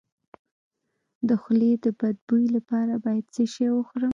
د خولې د بد بوی لپاره باید څه شی وخورم؟